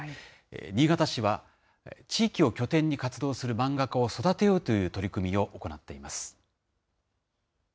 新潟市は地域を拠点に活動する漫画家を育てようという取り組みを行っています。